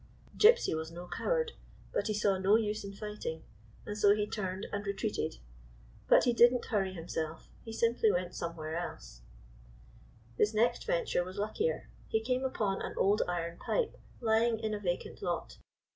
Gypsy was no coward ; but he saw no use in fighting, and so he turned and retreated. But 128 THE SAILOR AND THE SHIP lie did n't liurry liiinself. He simply went somewhere else. His next venture was luckier. He came upon an old iron pipe lying in a vacant lot.